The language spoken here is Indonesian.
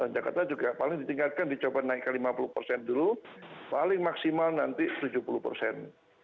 jakarta juga paling ditingkatkan dicoba naik ke lima puluh persen dulu paling maksimal nanti tujuh puluh persen